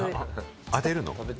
当てるの？